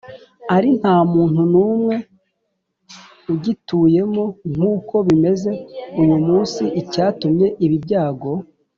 ari nta muntu n umwe ugituyemo nk uko bimeze uyu munsi Icyatumye ibi byago